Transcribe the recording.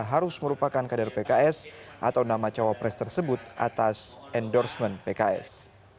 harus merupakan kader pks atau nama cawapres tersebut atas endorsement pks